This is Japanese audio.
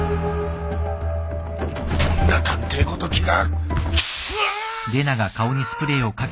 女探偵ごときが。